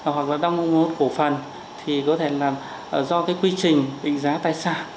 hoặc là đang mong muốn cổ phần thì có thể là do cái quy trình định giá tài sản